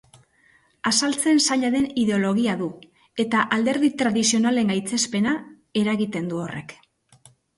Azaltzen zaila den ideologia du, eta alderdi tradizionalen gaitzespena eragiten du horrek.